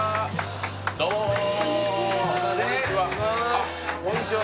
あっこんにちは